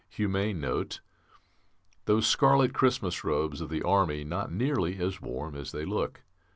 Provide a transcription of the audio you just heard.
Humane note: those scarlet Christmas robes of the Army not nearly as warm as they look.